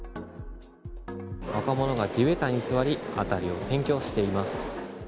若者が地べたに座り、辺りを占拠しています。